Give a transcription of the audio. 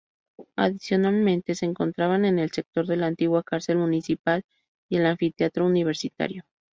Adicionalmente se encontraban en el sector la antigua Cárcel Municipal y el Anfiteatro universitario.